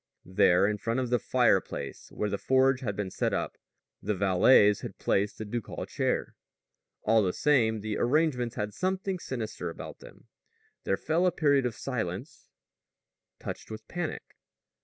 There in front of the fireplace where the forge had been set up, the valets had placed the ducal chair. All the same, the arrangements had something sinister about them. There fell a period of silence touched with panic.